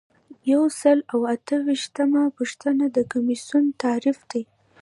یو سل او اته ویشتمه پوښتنه د کمیسیون تعریف دی.